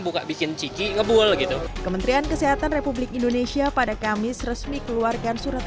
buka bikin cici ngebul gitu kementerian kesehatan republik indonesia pada kamis resmi keluarkan surat